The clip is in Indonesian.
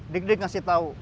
dik dik ngasih tau